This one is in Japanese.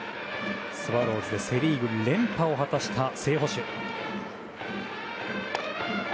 スワローズでセ・リーグ連覇を果たした正捕手。